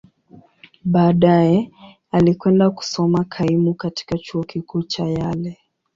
Baadaye, alikwenda kusoma kaimu katika Chuo Kikuu cha Yale.